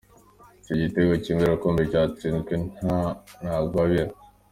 Icyo gitego kimwe rukumbi cyatsinzwe na Ntagwabira.